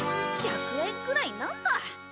１００円くらいなんだ！